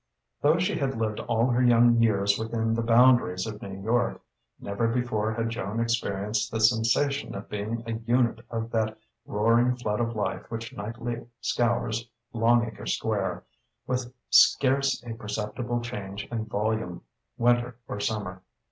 Though she had lived all her young years within the boundaries of New York, never before had Joan experienced the sensation of being a unit of that roaring flood of life which nightly scours Longacre Square, with scarce a perceptible change in volume, winter or summer.